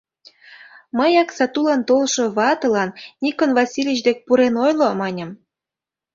Мыяк сатулан толшо ватылан Никон Васильич дек пурен ойло, маньым.